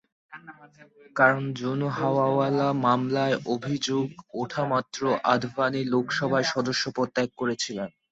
কারণ, জৈন হাওয়ালা মামলায় অভিযোগ ওঠামাত্র আদভানি লোকসভার সদস্যপদ ত্যাগ করেছিলেন।